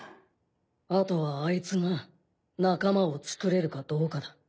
あとはアイツが仲間を作れるかどうかだ。